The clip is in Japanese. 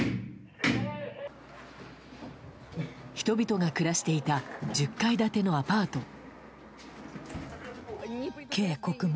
人々が暮らしていた１０階建てのアパート。